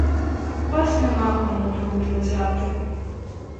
Вас нема кому в руки взяти.